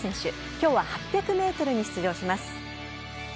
今日は８００ｍに出場します。